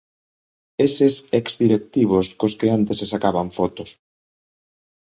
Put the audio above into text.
Eses exdirectivos cos que antes se sacaban fotos.